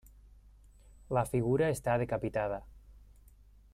La figura està decapitada.